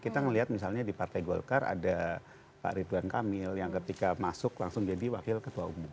kita melihat misalnya di partai golkar ada pak ridwan kamil yang ketika masuk langsung jadi wakil ketua umum